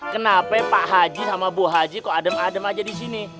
kenapa pak haji sama bu haji kok adem adem aja di sini